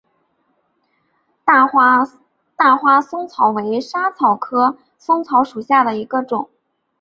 大花嵩草为莎草科嵩草属下的一个种。